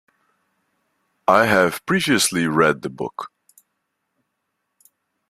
I have previously read the book.